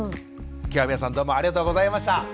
今日は皆さんどうもありがとうございました。